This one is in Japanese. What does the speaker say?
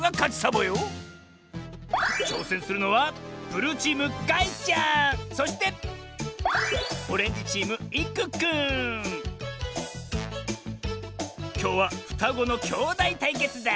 ちょうせんするのはそしてきょうはふたごのきょうだいたいけつだ！